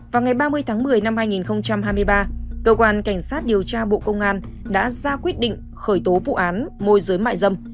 vào ngày ba mươi tháng một mươi năm hai nghìn hai mươi ba cơ quan cảnh sát điều tra bộ công an đã ra quyết định khởi tố vụ án môi giới mại dâm